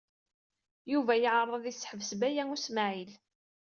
Yuba yeɛreḍ ad iseḥbes Baya U Smaɛil.